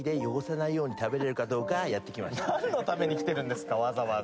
何のために来てるんですかわざわざ。